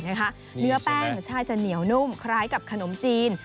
เนื้อแป้งใช่จะเหนียวนุ่มคล้ายกับขนมจีน